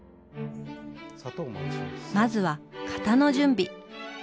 まずは型の準備。